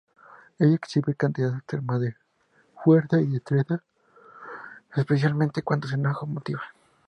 Ella exhibe cantidades extremas de fuerza y destreza, especialmente cuando se enoja o motiva.